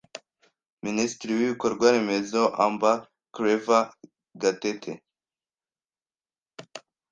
Minisitiri w’Ibikorwa remezo Amb Claver Gatete